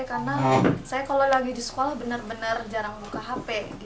karena saya kalau lagi di sekolah bener bener jarang buka hp